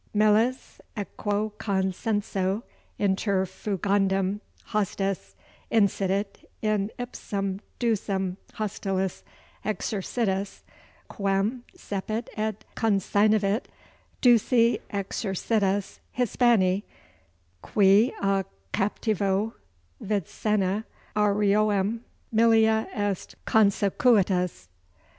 Miles, equo conscenso, inter fugandum hostes, incidit in ipsum ducem hostilis exercitus, quem cepit et consignavit Duci exercitus Hispani, qui a captivo vicena aureorum millia est consequutus.